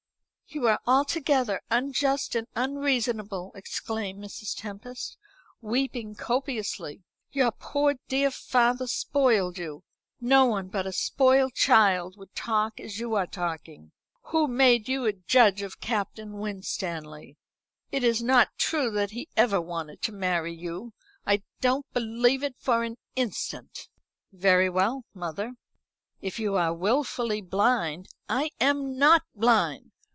"You are altogether unjust and unreasonable," exclaimed Mrs. Tempest, weeping copiously. "Your poor dear father spoiled you. No one but a spoiled child would talk as you are talking. Who made you a judge of Captain Winstanley? It is not true that he ever wanted to marry you. I don't believe it for an instant." "Very well, mother. If you are wilfully blind " "I am not blind.